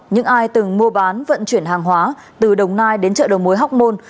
những ai từng mua bán vận chuyển hàng hóa từ đồng nai đến trợ đồng mối học môn